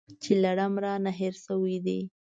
چې لړم رانه هېر شوی دی .